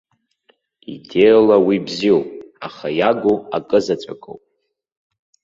Идеиала уи бзиоуп, аха иагу акы заҵәыкоуп.